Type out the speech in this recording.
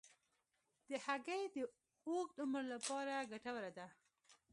هګۍ د اوږد عمر لپاره ګټوره ده.